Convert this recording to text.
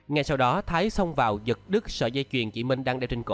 ngay sau đó thái xông vào giật đứt sợi dây chuyền chị minh đang đeo trên cổ